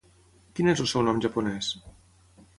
Quin és el seu nom japonès?